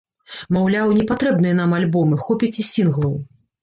Маўляў, не патрэбныя нам альбомы, хопіць і сінглаў.